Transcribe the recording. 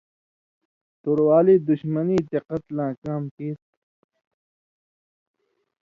تروالی دُشمنی تے قتلاں کام کیریۡ تھی